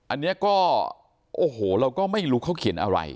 อันนี้ก็โอ้โหเราก็ไม่รู้เขาเขียนอะไร